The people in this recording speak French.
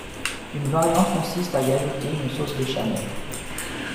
Une variante consiste à y ajouter une sauce béchamel.